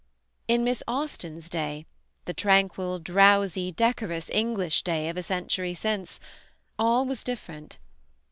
In Miss Austen's day the tranquil, drowsy, decorous English day of a century since, all was different.